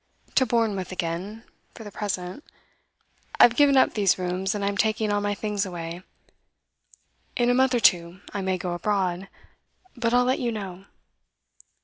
'To Bournemouth again, for the present. I've given up these rooms, and I'm taking all my things away. In a month or two I may go abroad; but I'll let you know.